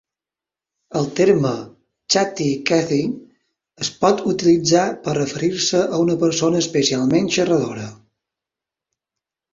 El terme "Chatty Cathy" es pot utilitzar per referir-se a una persona especialment xerradora.